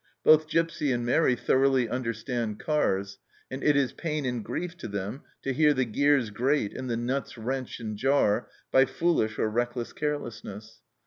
Both Gipsy and Mairi thoroughly understand cars, and it is pain and grief to them to hear the gears grate and the nuts wrench and jar by foolish or reckless carelessness.